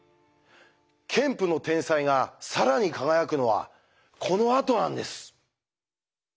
ケンプの天才が更に輝くのはこのあとなんです。